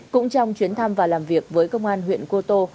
cũng trong chuyến thăm và làm việc với công an huyện cô tô